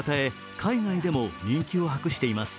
海外でも人気を博しています。